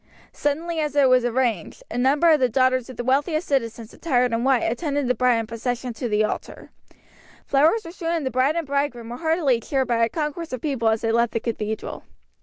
Suddenly as it was arranged, a number of the daughters of the wealthiest citizens attired in white attended the bride in procession to the altar. Flowers were strewn and the bride and bridegroom were heartily cheered by a concourse of people as they left the cathedral.